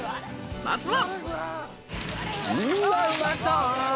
まずは。